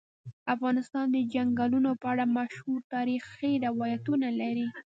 افغانستان د چنګلونه په اړه مشهور تاریخی روایتونه لري.